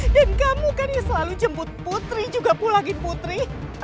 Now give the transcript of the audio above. dan kamu kan yang selalu jemput putri juga pulangin putri